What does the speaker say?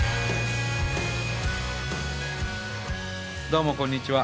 どうもこんにちは。